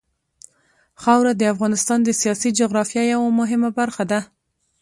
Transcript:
خاوره د افغانستان د سیاسي جغرافیه یوه مهمه برخه ده.